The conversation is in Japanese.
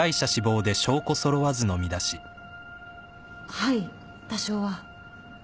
はい多少は。